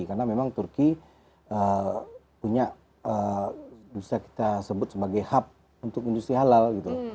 karena memang turki punya bisa kita sebut sebagai hub untuk industri halal gitu